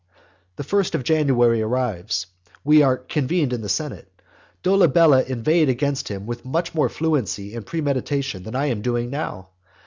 The first of January arrives. We are convened in the senate. Dolabella inveighed against him with much more fluency and premeditation than I am doing now.